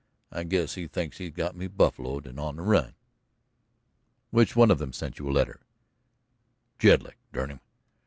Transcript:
I guess he thinks he's got me buffaloed and on the run." "Which one of them sent you a letter?" "Jedlick, dern him.